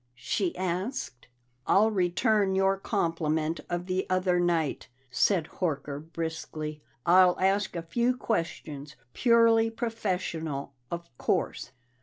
she asked. "I'll return your compliment of the other night," said Horker briskly. "I'll ask a few questions purely professional, of course."